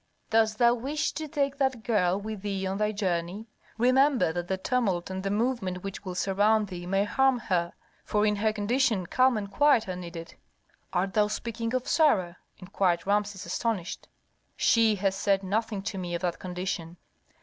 Dost thou wish to take that girl with thee on thy journey? Remember that the tumult and the movement which will surround thee may harm her, for in her condition calm and quiet are needed." "Art thou speaking of Sarah?" inquired Rameses, astonished. "She has said nothing to me of that condition."